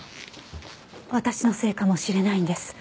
私のせいかもしれないんです。